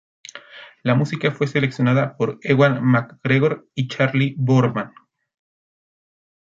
La música fue seleccionada por Ewan mcGregor y Charley Boorman.